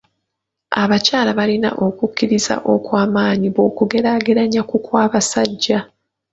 Abakyala balina okukkiriza okw'amaanyi bw'okugeraageranya ku kw'abasajja.